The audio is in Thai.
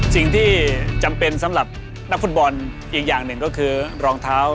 สิ่งที่จำเป็นสำหรับนักฟุตบอลอีกอย่างหนึ่งก็คือรองเท้า